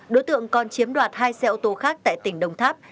đối tượng còn chiếm đoạt hai xe ô tô khác tại tỉnh đồng tháp